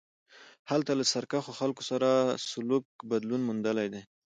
هلته له سرکښو خلکو سره سلوک بدلون موندلی دی.